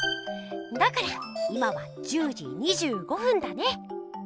だから今は１０じ２５ふんだね！